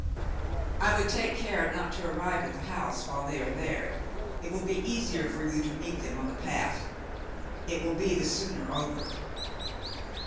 I would take care not to arrive at the house while they are there ; it will be easier for you to meet them on the path. It will be the sooner over."